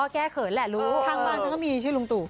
แกเขินแหละทางบ้านก็มีชื่อลุงตู่